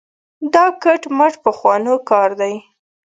دا کټ مټ پخوانو کار دی.